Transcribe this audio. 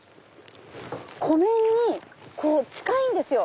湖面に近いんですよ。